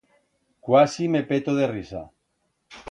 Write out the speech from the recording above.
Cuasi me peto de risa.